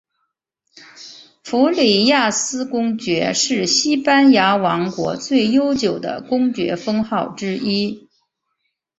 弗里亚斯公爵是西班牙王国最悠久的公爵封号之一。